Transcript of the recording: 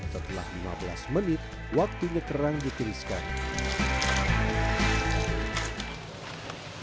setelah lima belas menit waktunya kerang ditiriskan